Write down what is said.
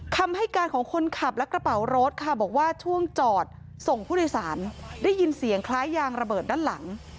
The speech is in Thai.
คำให้การของคนขับและกระเป๋ารถค่ะบอกว่าช่วงจอดส่งผู้โดยสารได้ยินเสียงคล้ายยางระเบิดด้านหลัง